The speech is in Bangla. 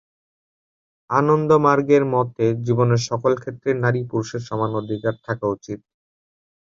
আনন্দমার্গের মতে, জীবনের সকল ক্ষেত্রে নারী পুরুষের সমান অধিকার থাকা উচিত।